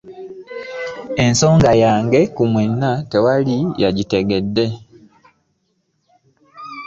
Ensonga yange ku mwenna tewali yagitegedde.